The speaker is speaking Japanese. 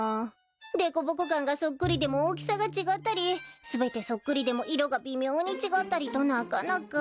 凸凹感がそっくりでも大きさが違ったり全てそっくりでも色が微妙に違ったりとなかなか。